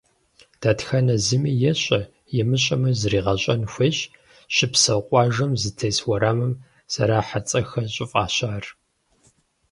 Дэтхэнэ зыми ещӏэ, имыщӏэми зригъэщӏэн хуейщ щыпсэу къуажэм, зытес уэрамым зэрахьэ цӏэхэр щӏыфӏащар.